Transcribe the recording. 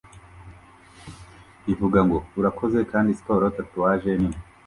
ivuga ngo "Urakoze" kandi siporo tatuwaje nini